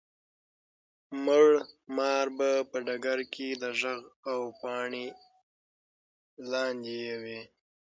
مړ مار به په ډګر کي د ږغ او پاڼي لاندې وي.